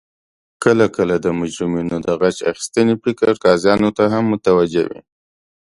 کله کله د مجرمینو د غچ اخستنې فکر قاضیانو ته هم متوجه وي